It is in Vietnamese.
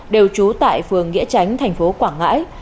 đều trú tại phường nghĩa tránh thành phố quảng ngãi